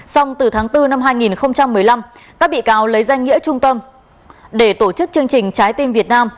xong từ tháng bốn năm hai nghìn một mươi năm các bị cáo lấy danh nghĩa trung tâm để tổ chức chương trình trái tim việt nam